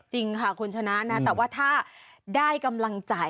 จริงค่ะคุณชนะนะแต่ว่าถ้าได้กำลังใจ